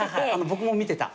僕も見てた。